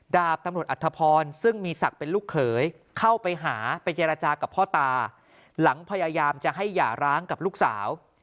ดาบตำรวจอัธพรซึ่งมีศักดิ์เป็นลูกเขยเข้าไปหาไปเจรจากับพ่อตาหลังพยายามจะให้หย่าร้างกับลูกสาว